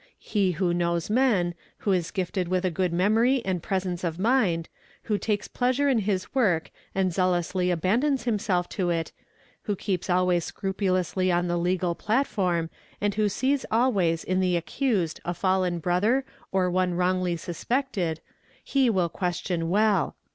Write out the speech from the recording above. He who knows men, who is gifted with a good memory and presence of mind, who takes pleasure in his work and zealously abandons himself to it, who keeps always scrupulously on the legal platform, and who sees always in the accused a fallen brother or one wrongfully suspected, he will question well.